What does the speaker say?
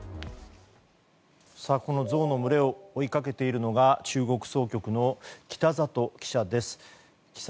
このゾウの群れを追いかけているのが中国総局の北里記者です。